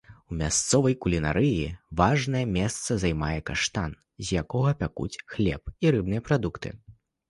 У мясцовай кулінарыі важнае месца займае каштан, з якога пякуць хлеб, і рыбныя прадукты.